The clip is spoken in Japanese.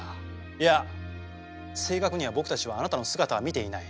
いや正確には僕たちはあなたの姿は見ていない。